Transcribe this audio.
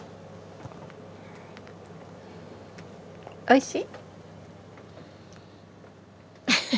おいしい？